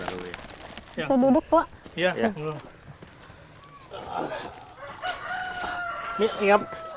ya kalau dulu ya dulu kok ya